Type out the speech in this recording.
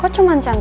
kau cuma cantik